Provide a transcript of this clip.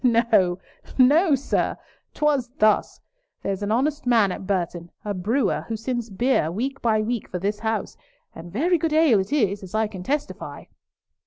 No, no, sir! 'Twas thus. There's an honest man at Burton, a brewer, who sends beer week by week for this house, and very good ale it is, as I can testify.